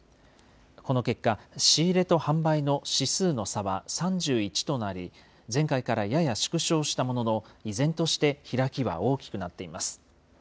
この結果、仕入れと販売の指数の差は３１となり、前回からやや縮小したものの、依然として開きは大きくなっています。